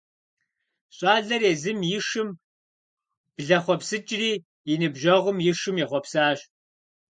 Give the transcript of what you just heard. Щӏалэр езым и шым блэхъуэпсыкӏри и ныбжьэгъум и шым ехъуэпсащ.